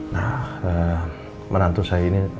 nah menantu saya ini